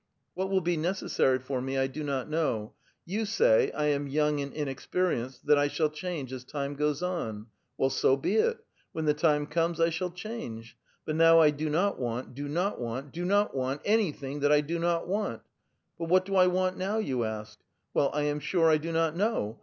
What will be necessarj' for me I do not know ; you say, ' 1 am young and inexperienced, that I shall change as time goes on,' — well, so be it ; when the time comes, I shall change ; but now I do not want, do not want, do not want, anything that I do not want !' But what do I want now? ' vou ask. Well, 1 am sure I do not know.